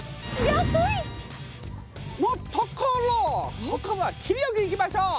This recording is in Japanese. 安い！のところをここは切りよくいきましょう！